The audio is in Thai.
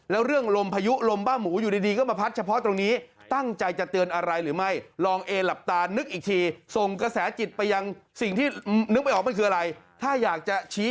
แล้วเรื่องลมพายุลมบ้าหมูอยู่ดีก็มาพัดเฉพาะตรงนี้